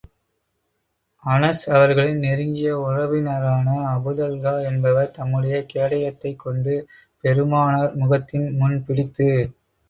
அனஸ் அவர்களின் நெருங்கிய உறவினரான அபூதல்ஹா என்பவர் தம்முடைய கேடயத்தைக் கொண்டு பெருமானார் முகத்தின் முன் பிடித்து.